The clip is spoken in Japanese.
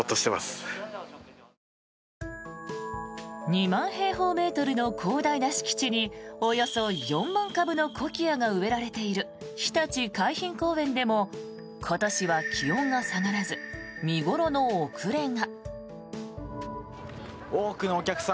２万平方メートルの広大な敷地におよそ４万株のコキアが植えられているひたち海浜公園でも今年は気温が下がらず見頃の遅れが。